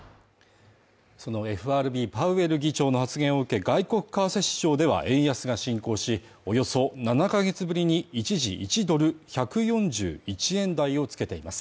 そのＦＲＢパウエル議長の発言を受け外国為替市場では円安が進行し、およそ７か月ぶりに一時１ドル＝１４１円台を付けています。